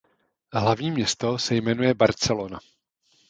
Hlavní město se jmenuje Barcelona.